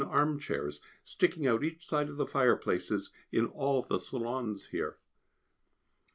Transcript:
arm chairs, sticking out each side of the fireplaces, in all the salons here).